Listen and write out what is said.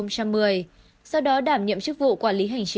sau đó đảm nhiệm chức vụ quản lý hành chính